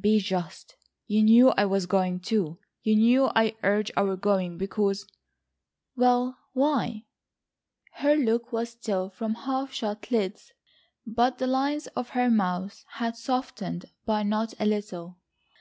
"Be just. You knew I was going too. You knew I urged our going because—" "Well, why?" Her look was still from half shut lids, but the lines of her mouth had softened by not a little.